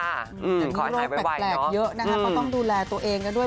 แต่ก็โรคแปลกเยอะนะคะก็ต้องดูแลตัวเองกันด้วย